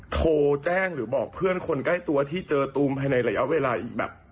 โทรแจ้งหรือบอกเพื่อนคนใกล้ตัวที่เจอตูมภายในระยะเวลาอีกแบบ